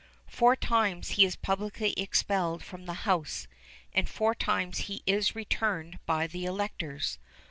Four times he is publicly expelled from the House, and four times he is returned by the electors.